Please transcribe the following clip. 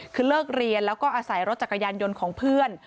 คือเลิกเรียนแล้วก็อาศัยรถจักรยานยนต์ของเพื่อน